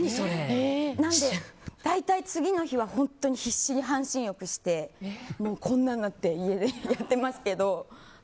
なので大体、次の日は本当に必死に半身浴してこんなんなって家でやってますけど。